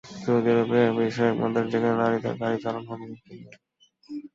Saudi আরবই বিশ্বে একমাত্র দেশ, যেখানে নারীদের গাড়ি চালানোর অনুমতি নেই।